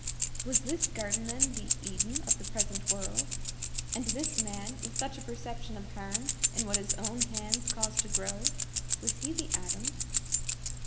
Was this garden, then, the Eden of the present world? And this man, with such a perception of harm in what his own hands caused to grow,—was he the Adam?